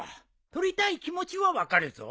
撮りたい気持ちは分かるぞ。